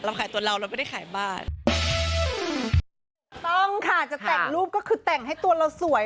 ต้องค่ะจะแต่งรูปก็คือแต่งให้ตัวเราสวย